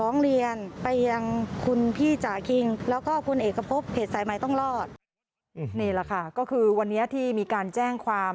นี่แหละค่ะก็คือวันนี้ที่มีการแจ้งความ